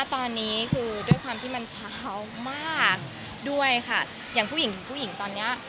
ตอนนี้คือด้วยความที่มันเช้ามากด้วยค่ะอย่างผู้หญิงผู้หญิงตอนเนี้ย